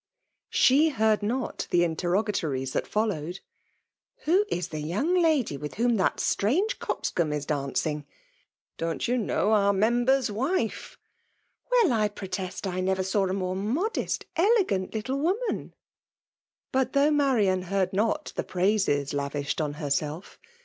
She heard not the inter* rogatoaries that followed —" Who is the young^ lady with whom that strange coxcomb is dano Jug?" — "Don't you know? — our Member's wife I" —'* WeU, I protest, I never saw a more moAest, elegant little woman !" But though Marian heard not the praises lavished on herself.